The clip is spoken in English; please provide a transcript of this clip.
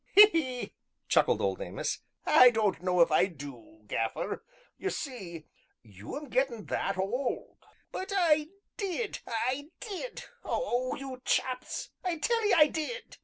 "He! he!" chuckled Old Amos, "I don't know if I du, Gaffer ye see you 'm gettin' that old " "But I did I did oh, you chaps, I tell 'ee I did!"